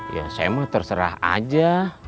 ya saya mah terserah aja